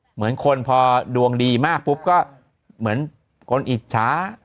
เหมือนคนพอดวงดีมากปุ๊บก็เหมือนคนอิจฉา